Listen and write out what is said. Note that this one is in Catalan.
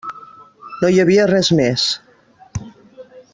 No hi havia res més.